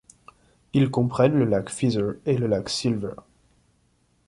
Ils comprennent le lac Feather et le lac Silver.